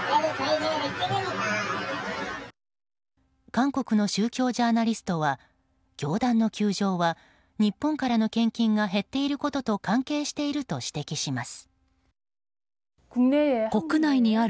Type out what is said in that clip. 韓国の宗教ジャーナリストは教団の窮状は日本からの献金が減っていることと関係していると指摘します。